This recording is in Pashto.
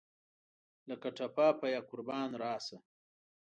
لکه ټپه پۀ یاقربان راسه !